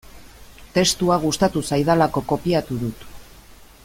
Testua gustatu zaidalako kopiatu dut.